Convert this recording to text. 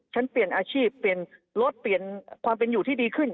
ฉันเปลี่ยนอาชีพเปลี่ยนรถเปลี่ยนความเป็นอยู่ที่ดีขึ้น